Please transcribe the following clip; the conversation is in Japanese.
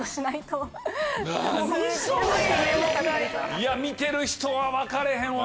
いや見てる人は分かれへんわ。